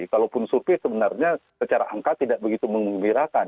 kalaupun survei sebenarnya secara angka tidak begitu mengembirakan